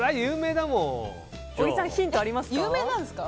小木さん、ヒントありますか？